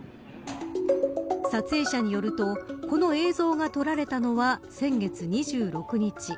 撮影者によるとこの映像が撮られたのは先月２６日。